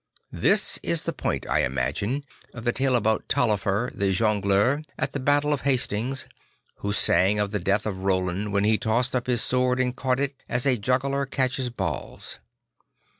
This is the point, I iInagine, of the tale about Taillefer the Jongleur at the battle of Hastings, who sang of the death of Roland while he tossed up his sword and caught it, as a juggler catches balls.